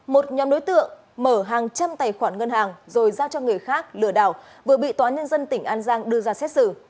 một nhóm đối tượng mở hàng trăm tài khoản ngân hàng rồi giao cho người khác lừa đảo vừa bị tòa nhân dân tỉnh an giang đưa ra xét xử